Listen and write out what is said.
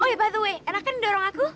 oh ya by the way enak kan dorong aku